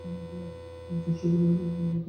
জ্যেষ্ঠ যুবরাজ দারা রাজধানী দিল্লিতেই বাস করিতেছেন।